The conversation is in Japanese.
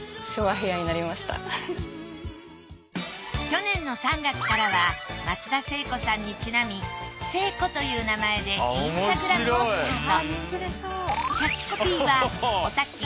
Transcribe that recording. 去年の３月からは松田聖子さんにちなみ星子という名前でインスタグラムをスタート